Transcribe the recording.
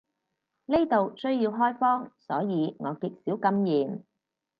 呢度需要開荒，所以我極少禁言